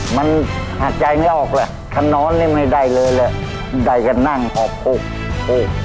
มันหาใจเนี่ยออกแหละถ้าน้อนนี่ไม่ได้เลยแหละได้กับนั่งพอพูด